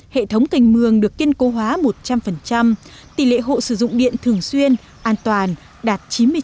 hệ thống canh mương được kiên cố hóa một trăm linh tỷ lệ hộ sử dụng điện thường xuyên an toàn đạt chín mươi chín